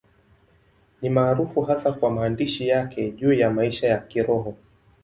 Ni maarufu hasa kwa maandishi yake juu ya maisha ya Kiroho.